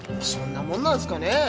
そんなもんなんすかね？